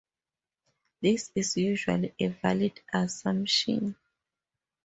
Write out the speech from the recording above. This is usually a valid assumption.